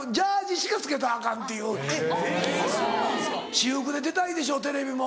私服で出たいでしょテレビも。